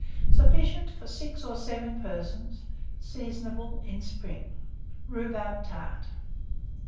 Sufficient for 6 or 7 persons. Seasonable in spring. RHUBARB TART.